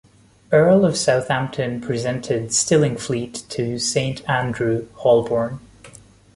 Earl of Southampton presented Stillingfleet to Saint Andrew, Holborn.